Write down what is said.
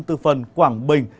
từ phần quảng bình